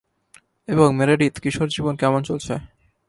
এবং, মেরেডিথ, কিশোর জীবন কেমন চলছে?